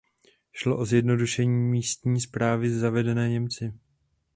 Šlo o zjednodušení místní správy zavedené Němci.